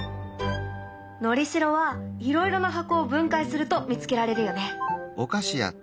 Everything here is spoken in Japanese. のりしろはいろいろな箱を分解すると見つけられるよね。